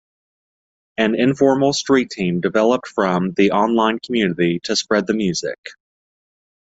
An informal 'street team' developed from the on-line community to spread the music.